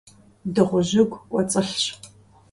Дыгъужьыгу кӀуэцӀылъщ.